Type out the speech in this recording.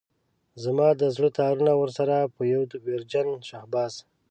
زما د زړه تارونه ورسره په يوه ويرجن شهباز.